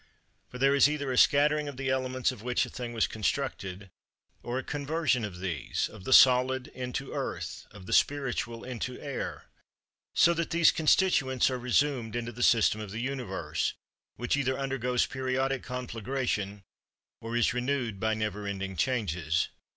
For there is either a scattering of the elements of which a thing was constructed, or a conversion of these, of the solid into earth, of the spiritual into air. So that these constituents are resumed into the system of the Universe, which either undergoes periodical conflagration, or is renewed by never ending changes.